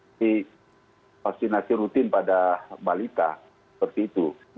tapi vaksinasi rutin pada balita seperti itu